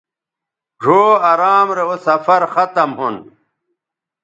ڙھؤ ارام رے اوسفرختم ھون